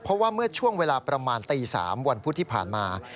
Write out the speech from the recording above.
เพราะว่าเมื่อช่วงเวลาประมาณตี๓วันพุธที่ผ่านมา